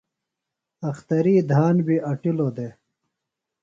اختری دھان بیۡ اٹِلوۡ دےۡ۔